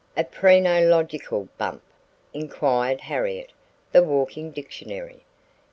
"A phrenological bump?" inquired Harriet, the "walking dictionary."